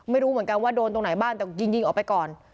ไม่รู้เหมือนกันว่าโดนตรงไหนบ้างแต่ยิงยิงออกไปก่อน